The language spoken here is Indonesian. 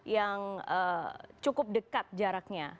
yang cukup dekat jaraknya